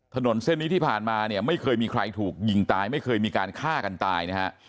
ถนนเส้นนี้ที่ผ่านมาเนี่ยไม่เคยมีใครถูกยิงตายไม่เคยมีการฆ่ากันตายนะฮะ